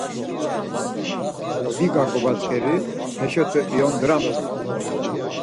Biga gobazgeri heşote iyondramt̆u.